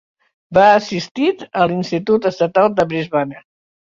Va assistit a l'institut estatal de Brisbane.